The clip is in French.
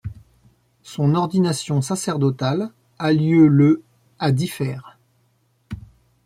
Son ordination sacerdotale a lieu le à Differt.